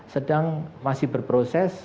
sedang masih berproses